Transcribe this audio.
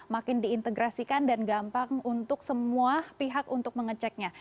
makin diintegrasikan dan gampang untuk semua pihak untuk mengeceknya